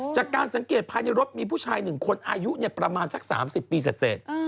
จากการสังเกตภายในรถมีผู้ชาย๑คนอายุประมาณสัก๓๐ปีเสร็จ